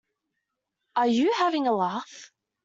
Are you having a laugh?